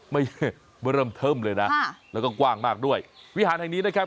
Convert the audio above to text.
ไม่เริ่มเทิมเลยนะแล้วก็กว้างมากด้วยวิหารแห่งนี้นะครับ